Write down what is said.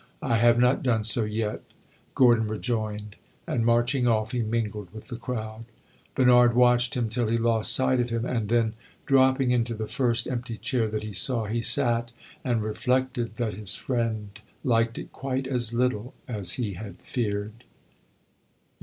"I have not done so yet!" Gordon rejoined; and marching off, he mingled with the crowd. Bernard watched him till he lost sight of him, and then, dropping into the first empty chair that he saw, he sat and reflected that his friend liked it quite as little as he had feared.